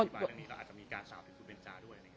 อธิบายเรื่องนี้เราอาจจะมีการสาวที่สุดเป็นจาด้วยอะไรแบบนี้